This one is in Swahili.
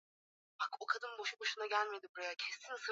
katika maeneo ya chini ya Syr Darya jimbo